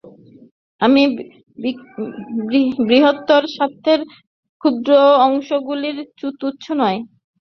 একটি বৃহৎ সত্যের ক্ষুদ্র অংশগুলিও তুচ্ছ নয়।